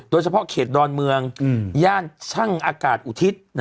โดยเฉพาะเขตดอนเมืองย่านช่างอากาศอุทิศ